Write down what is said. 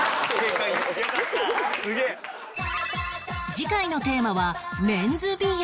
次回のテーマはメンズ美容